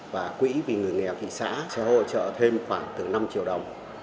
và quỹ vì người nghèo thị xã sẽ hỗ trợ thêm khoảng từ năm triệu đồng